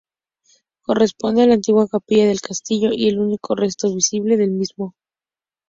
Corresponde a la antigua capilla del castillo y el único resto visible del mismo.